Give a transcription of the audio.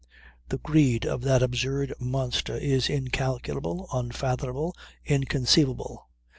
The greed of that absurd monster is incalculable, unfathomable, inconceivable.